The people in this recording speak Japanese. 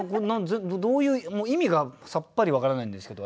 どういう意味がさっぱり分からないんですけど